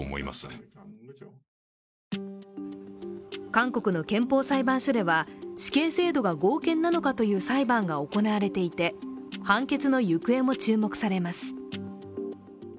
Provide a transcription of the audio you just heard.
韓国の憲法裁判所では、死刑制度が合憲なのかという裁判が行われていて、判決の行方も注目されます。